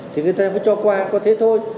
thì người ta mới cho qua có thế thôi